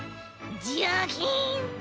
ジャキン！